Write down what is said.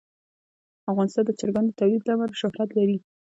افغانستان د چرګانو د تولید له امله شهرت لري.